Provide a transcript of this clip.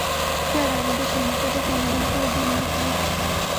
Sir, আমাদের সমস্যাটা সমাধান করে দিন না, প্লীয।